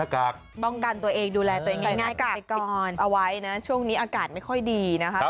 ป้องกันตัวเองดูแลตัวเองง่ายกากอนเอาไว้นะช่วงนี้อากาศไม่ค่อยดีนะคะ